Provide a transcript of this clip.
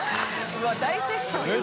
うわぁ大セッションやん。